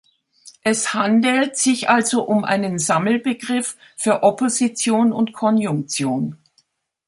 Es handelt sich also um einen Sammelbegriff für Opposition und Konjunktion.